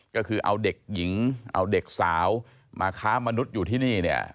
ก็คือเอาเด็กหญิงเอาเด็กสาวมาค้ามนุษย์อยู่ที่นี่เนี่ย